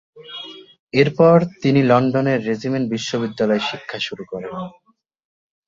এরপর তিনি লন্ডনের রেজিমেন্ট বিশ্ববিদ্যালয়ে শিক্ষা শুরু করেন।